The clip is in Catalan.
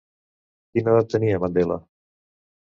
Quina edat tenia Mandela?